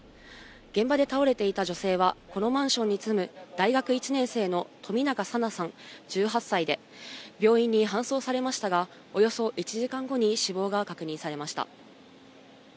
現場で倒れていた女性は、このマンションに住む、大学１年生の冨永紗菜さん１８歳で、病院に搬送されましたが、およそ１時間後に死亡が確認されました。